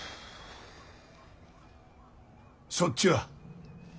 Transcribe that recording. そっちは。